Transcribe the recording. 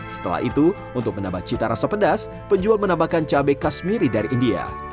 setelah itu untuk menambah cita rasa pedas penjual menambahkan cabai kasmiri dari india